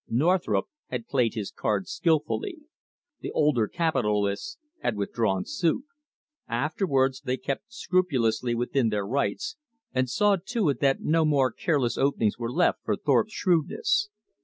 Northrop had played his cards skillfully. The older capitalists had withdrawn suit. Afterwards they kept scrupulously within their rights, and saw to it that no more careless openings were left for Thorpe's shrewdness.